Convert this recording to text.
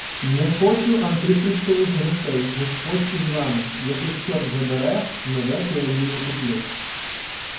— Не хочу антихристових грошей! Господь із вами! Як їх чорт забере, нове піаніно куплю.